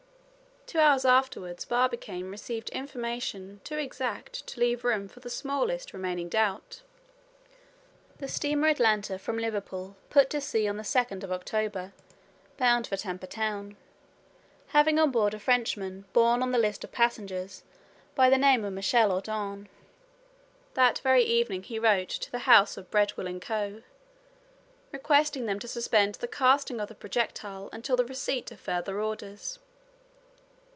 Two hours afterward Barbicane received information too exact to leave room for the smallest remaining doubt. "The steamer Atlanta from Liverpool put to sea on the 2nd of October, bound for Tampa Town, having on board a Frenchman borne on the list of passengers by the name of Michel Ardan." That very evening he wrote to the house of Breadwill and Co., requesting them to suspend the casting of the projectile until the receipt of further orders.